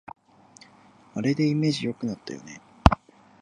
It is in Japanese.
あれでイメージ良くなったよね